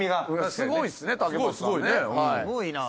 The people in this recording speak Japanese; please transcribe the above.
すごいな。